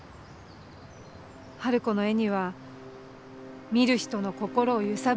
春子の絵には見る人の心を揺さぶる力があるんです。